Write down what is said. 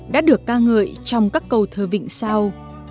đã được ca ngợi trong các câu thơ vịnh sau